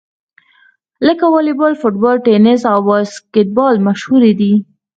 لکه واليبال، فوټبال، ټېنیس او باسکیټبال مشهورې دي.